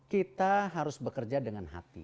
kita harus bekerja dengan hati